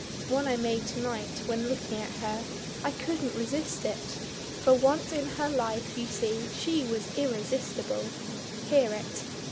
One I made to night when looking at her; I couldn't resist it. For once in her life you see she was irresistible. Hear it.